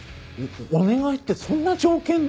お願いってそんな条件で。